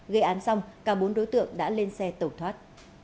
gây án xong cả bốn đối tượng đã lên xe tẩu thoát